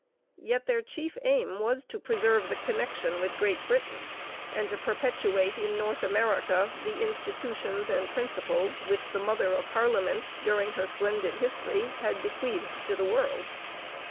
Yet their chief aim was to preserve the connection with Great Britain, and to perpetuate in North America the institutions and principles which the mother of parliaments, during her splendid history, had bequeathed to the world.